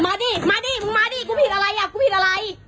ดิมาดิมึงมาดิกูผิดอะไรอ่ะกูผิดอะไร